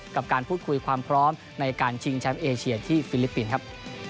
กับการพูดคุยความพร้อมในการชิงแชมป์เอเชียที่ฟิลิปปินส์ครับ